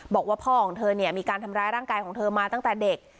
บอกว่าพ่อของเธอเนี่ยมีการทำร้ายร่างกายของเธอมาตั้งแต่เด็ก